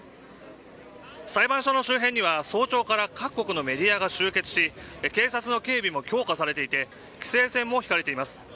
裁判所の周辺には早朝から各国のメディアが集結し警察の警備も強化されていて規制線も敷かれています。